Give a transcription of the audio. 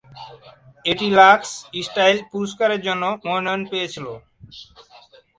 এটি Lux Style পুরস্কারের জন্য মনোনয়ন পেয়েছিল।